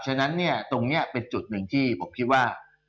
ฉะนั้นเนี่ยตรงนี้เป็นจุดหนึ่งที่ผมคิดว่า